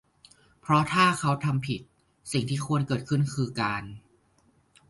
เพราะถ้าเขาทำผิด สิ่งที่ควรเกิดขึ้นคือการ